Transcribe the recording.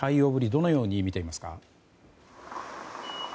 どのように見ていますか？